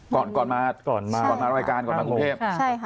ก่อนมารายการก่อนมาสงเพพหรือครับใช่ครับ